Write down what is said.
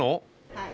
はい。